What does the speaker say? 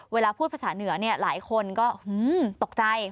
เวลาพูดภาษาเหนือหลายคนก็ตกใจ